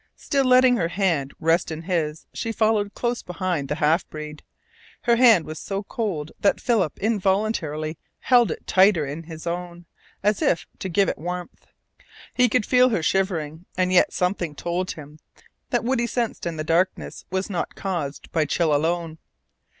Still letting her hand rest in his she followed close behind the half breed. Her hand was so cold that Philip involuntarily held it tighter in his own, as if to give it warmth. He could feel her shivering, and yet something told him that what he sensed in the darkness was not caused by chill alone.